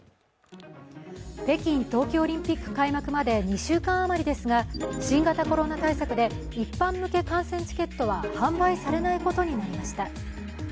北京冬季オリンピック開幕まで２週間余りですが、新型コロナ対策で一般向け観戦チケットは販売されないことになりました。